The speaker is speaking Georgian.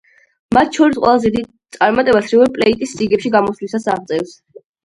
მათ შორის ყველაზე დიდ წარმატებას „რივერ პლეიტის“ რიგებში გამოსვლისას აღწევს.